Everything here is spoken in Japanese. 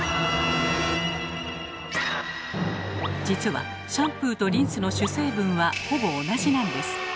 実はシャンプーとリンスの主成分はほぼ同じなんです。